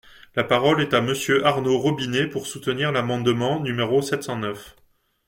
La parole est à Monsieur Arnaud Robinet, pour soutenir l’amendement numéro sept cent neuf.